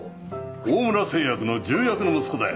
オオムラ製薬の重役の息子だよ。